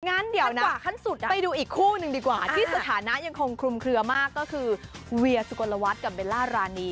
งั้นเดี๋ยวหนักขั้นสุดไปดูอีกคู่หนึ่งดีกว่าที่สถานะยังคงคลุมเคลือมากก็คือเวียสุกลวัฒน์กับเบลล่ารานี